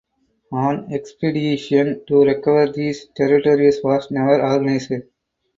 An expedition to "recover" these territories was never organised.